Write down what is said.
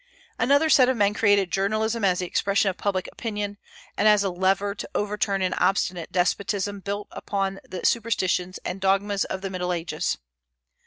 Another set of men created journalism as the expression of public opinion, and as a lever to overturn an obstinate despotism built up on the superstitions and dogmas of the Middle Ages.